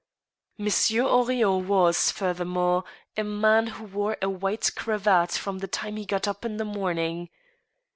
Monsieur Henrion was, furthermore, a man who wore a white cravat from the time he got up in the morning.